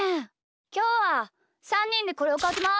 きょうは３にんでこれをかきます！